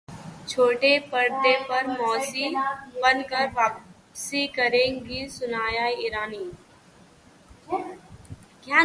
छोटे पर्दे पर 'मौसी' बनकर वापसी करेंगी सनाया ईरानी